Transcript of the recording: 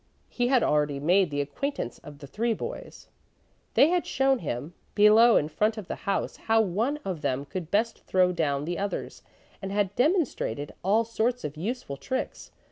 He had already made the acquaintance of the three boys. They had shown him below in front of the house how one of them could best throw down the others, and had demonstrated all sorts of useful tricks.